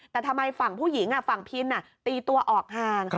แต่ทำไมฝั่งผู้หญิงฝั่งพินตีตัวออกห่าง